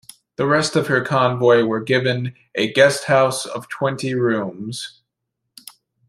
The rest of her convoy were given a guest house of twenty rooms.